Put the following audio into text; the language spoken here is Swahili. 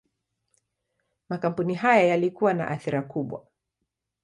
Makampuni haya yalikuwa na athira kubwa.